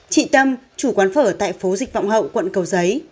chị tâm chủ quán phở tại phố dịch vọng hậu quận cầu giấy